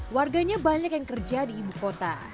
warganya banyak yang kerja di ibu kota